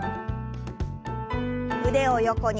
腕を横に。